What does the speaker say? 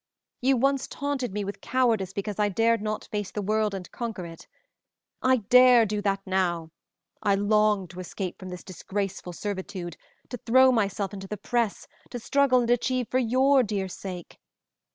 You once taunted me with cowardice because I dared not face the world and conquer it. I dare do that now; I long to escape from this disgraceful servitude, to throw myself into the press, to struggle and achieve for your dear sake.